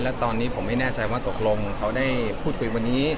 และตอนนี้ผมไม่แน่ใจว่าตกลงเขาได้พูดคุยวันนี้